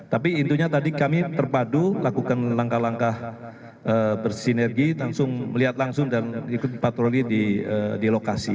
tapi intinya tadi kami terpadu lakukan langkah langkah bersinergi langsung melihat langsung dan ikut patroli di lokasi